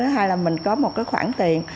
hay là mình có một khoản tiền